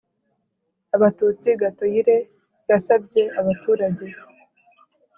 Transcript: Abatutsi Gatoyire yasabye abaturage